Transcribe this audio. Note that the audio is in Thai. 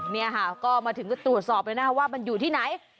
นี่ค่ะก็มาถึงก็ตรวจสอบเลยนะคะว่ามันอยู่ที่ไหน